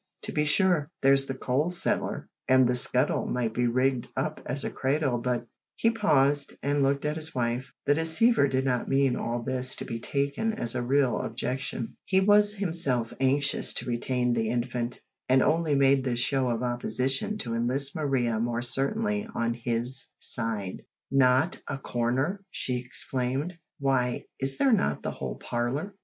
To be sure, there's the coal cellar and the scuttle might be rigged up as a cradle, but " He paused, and looked at his wife. The deceiver did not mean all this to be taken as a real objection. He was himself anxious to retain the infant, and only made this show of opposition to enlist Maria more certainly on his side. "Not a corner!" she exclaimed, "why, is there not the whole parlour?